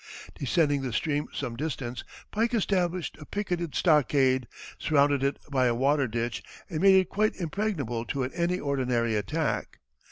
Descending the stream some distance, Pike established a picketed stockade, surrounded it by a water ditch and made it quite impregnable to any ordinary attack.